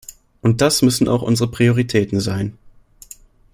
Und das müssen auch unsere Prioritäten sein.